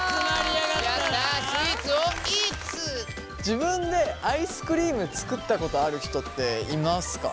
自分でアイスクリーム作ったことある人っていますか？